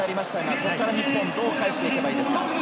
ここから日本どう返していけばいいですか？